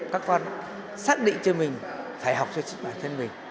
các con xác định cho mình phải học cho bản thân mình